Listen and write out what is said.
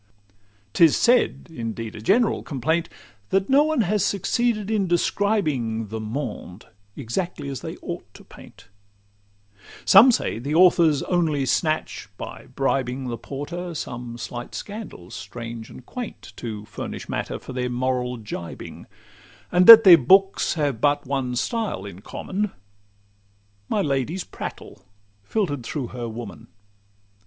'Tis said—indeed a general complaint— That no one has succeeded in describing The monde, exactly as they ought to paint: Some say, that authors only snatch, by bribing The porter, some slight scandals strange and quaint, To furnish matter for their moral gibing; And that their books have but one style in common— My lady's prattle, filter'd through her woman.